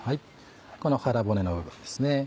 この腹骨の部分ですね。